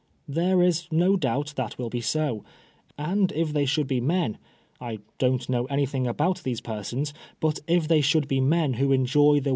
There is no doubt that will be so ; and if they should be men — ^I don't know anything about these persons— but if they should be men who enjoy the.